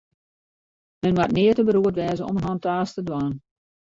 Men moat nea te beroerd wêze om in hantaast te dwaan.